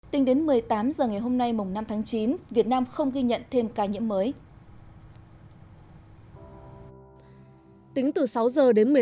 tính đến một mươi tám h ngày hôm nay mùng năm tháng chín việt nam không ghi nhận thêm ca nhiễm mới